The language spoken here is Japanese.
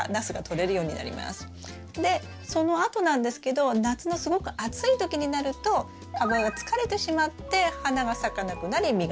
でそのあとなんですけど夏のすごく暑い時になると株が疲れてしまって花が咲かなくなり実がつかなくなる。